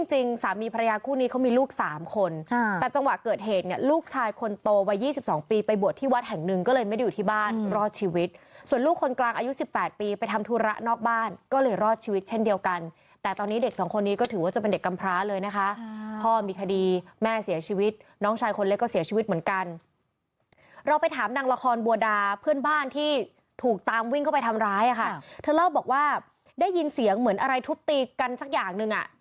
รอดชีวิตส่วนลูกคนกลางอายุ๑๘ปีไปทำธุระนอกบ้านก็เลยรอดชีวิตเช่นเดียวกันแต่ตอนนี้เด็กสองคนนี้ก็ถือว่าจะเป็นเด็กกำพร้าเลยนะคะพ่อมีคดีแม่เสียชีวิตน้องชายคนเล็กก็เสียชีวิตเหมือนกันเราไปถามนางละครบัวดาเพื่อนบ้านที่ถูกตามวิ่งเข้าไปทำร้ายค่ะเธอเล่าบอกว่าได้ยินเสียงเหมือนอะไรทุบตีกันสักอย่าง